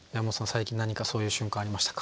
最近何かそういう瞬間ありましたか？